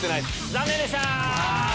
残念でした！